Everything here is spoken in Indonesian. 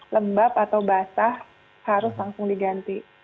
lembab atau basah harus langsung diganti